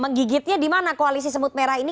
menggigitnya di mana koalisi semut merah ini